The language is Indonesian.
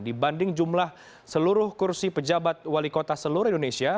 dibanding jumlah seluruh kursi pejabat wali kota seluruh indonesia